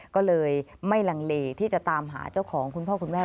ก็เลยไม่ลังเลที่จะตามหาเจ้าของคุณพ่อคุณแม่